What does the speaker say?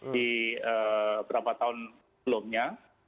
di berapa tahun sebelumnya